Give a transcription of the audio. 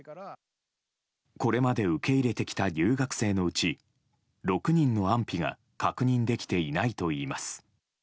これまで受け入れてきた留学生のうち６人の安否が確認できていないといいます。